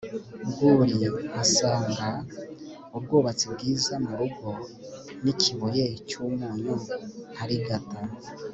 rwuri nkasanga ubwatsi bwiza mu rugo n'ikibuye cy'umunyu nkarigata